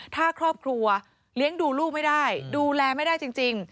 ถ้าครอบครัวเลี้ยงดูลูกไม่ได้ดูแลไม่ได้จริง